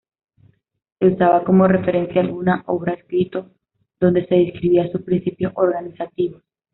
Se usaba como referencia alguna obra escrito donde se describía su principios organizativos.